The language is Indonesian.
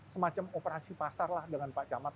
semacam operasi pasar lah dengan pak camat